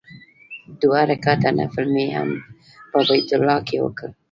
دوه رکعاته نفل مې هم په بیت الله کې وکړ.